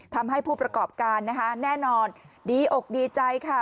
ทำให้ผู้ประกอบการนะคะแน่นอนดีอกดีใจค่ะ